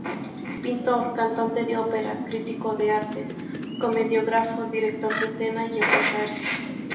Pintor, cantante de ópera, crítico de arte, comediógrafo, director de escena y empresario.